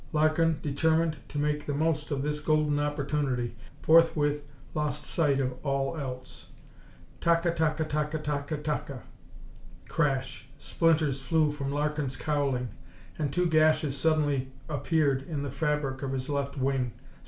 Larkin, determined to make the most of this golden opportunity, forthwith lost sight of all else. Ta ka ta ka ta ka ta ka! Crash! Splinters flew from Larkin's cowling and two gashes suddenly appeared in the fabric of his left wing.